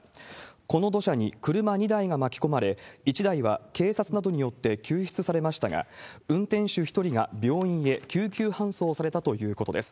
この土砂に車２台が巻き込まれ、１台は警察などによって救出されましたが、運転手１人が病院へ救急搬送されたということです。